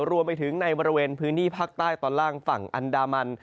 รวมไปถึงในบริเวณพื้นที่ภาคใต้ตอนล่างฝั่งอันดามัน